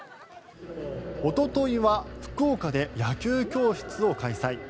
おとといは福岡で野球教室を開催。